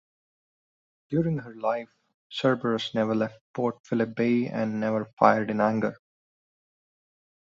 During her life, "Cerberus" never left Port Philip Bay, and never fired in anger.